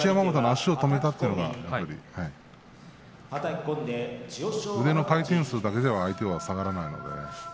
足を止めたというのがやはり腕の回転数だけでは相手は下がらないので。